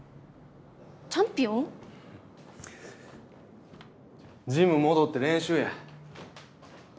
チャンピオン⁉ジム戻って練習や。